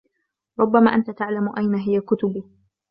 ربما أنت تعلم أين هي كتبي.